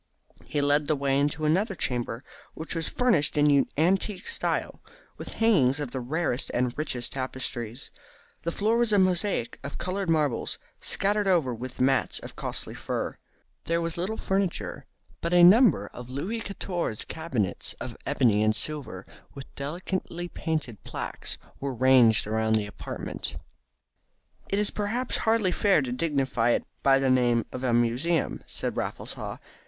He led the way into another chamber, which was furnished in antique style, with hangings of the rarest and richest tapestry. The floor was a mosaic of coloured marbles, scattered over with mats of costly fur. There was little furniture, but a number of Louis Quatorze cabinets of ebony and silver with delicately painted plaques were ranged round the apartment. "It is perhaps hardly fair to dignify it by the name of a museum," said Raffles Haw.